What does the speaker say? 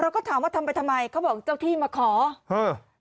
ก็ถามว่าทำไปทำไมเขาบอกเจ้าที่มาขอเออ